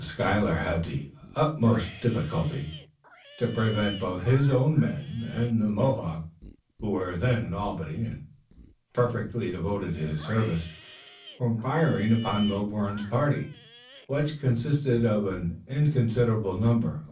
Schuyler had the utmost difficulty to prevent both his own men and the Mohawks, who were then in Albany, and perfectly devoted to his service, from firing upon Milborne's party, which consisted of an inconsiderable number.